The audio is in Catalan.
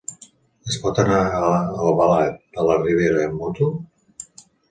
Es pot anar a Albalat de la Ribera amb moto?